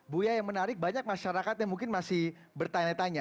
buya yang menarik banyak masyarakat yang mungkin masih bertanya tanya